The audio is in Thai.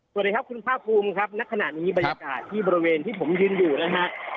สวัสดีครับคุณภาคภูมิครับณขณะนี้บรรยากาศที่บริเวณที่ผมยืนอยู่นะฮะ